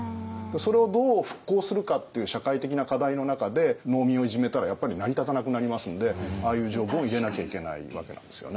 それをどう復興するかっていう社会的な課題の中で農民をいじめたらやっぱり成り立たなくなりますんでああいう条文を入れなきゃいけないわけなんですよね。